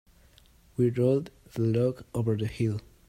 We rolled the log over the hill.